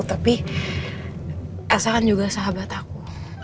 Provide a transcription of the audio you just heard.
tapi elsa kan juga sahabat aku